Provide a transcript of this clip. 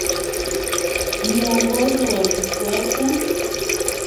Muongozo wa kufuata